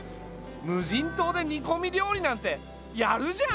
無人島で煮こみ料理なんてやるじゃん！